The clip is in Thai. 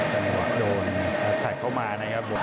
จังหวัดโดนแอตแทคเข้ามานะครับ